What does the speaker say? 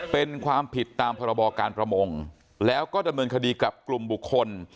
เป็นความผิดตามพรบการประมงแล้วก็ดำเนินคดีกับกลุ่มบุคคล